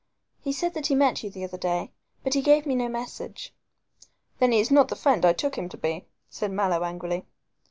"He said he met you the other day, but gave me no message." "Then he is not the friend I took him to be," said Mallow angrily.